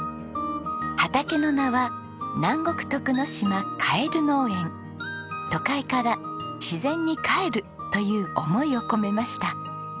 畑の名は都会から自然に帰るという思いを込めました。